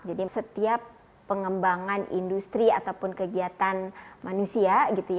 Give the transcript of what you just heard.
jadi setiap pengembangan industri ataupun kegiatan manusia